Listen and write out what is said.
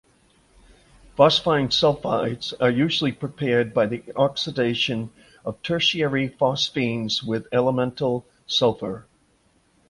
Phosphine sulfides are usually prepared by the oxidation of tertiary phosphines with elemental sulfur.